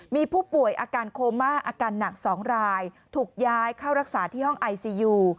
มีผู้ป่วยอาการโคม่าอาการหนัก๒รายถูกย้ายเข้ารักษาที่ห้องไอซียู